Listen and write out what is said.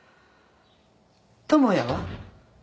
智也は？